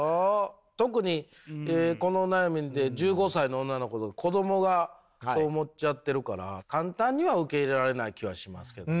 特にこの悩みで１５歳の女の子子どもがそう思っちゃってるから簡単には受け入れられない気はしますけども。